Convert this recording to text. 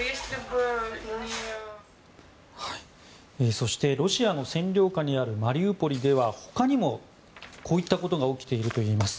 そしてロシアの占領下にあるマリウポリでは他にも、こういったことが起きているといいます。